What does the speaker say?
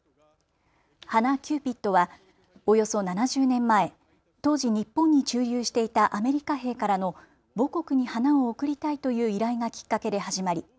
花キューピットはおよそ７０年前、当時、日本に駐留していたアメリカ兵からの母国に花を贈りたいという依頼がきっかけで始まり